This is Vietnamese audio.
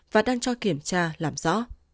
và đang cho kiểm tra làm rõ